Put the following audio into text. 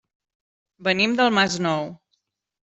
Venim del Masnou.